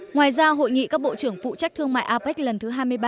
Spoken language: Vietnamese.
ngoài ra hội nghị các bộ trưởng phụ trách thương mại apec lần thứ hai mươi ba